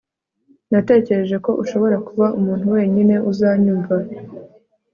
natekereje ko ushobora kuba umuntu wenyine uzanyumva